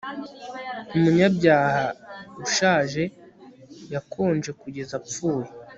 umunyabyaha ushaje yakonje kugeza apfuye